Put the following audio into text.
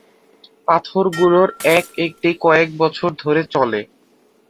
পাথর গুলোর এক একটি কয়েক বছর ধরে চলে।